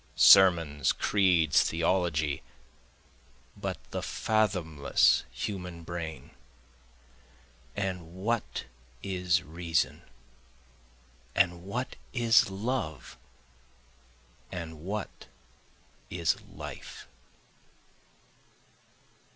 Sermons, creeds, theology but the fathomless human brain, And what is reason? and what is love? and what is life?